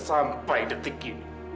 sampai detik ini